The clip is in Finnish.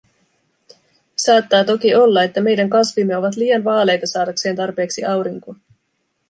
Saattaa toki olla, että meidän kasvimme ovat liian vaaleita saadakseen tarpeeksi aurinkoa.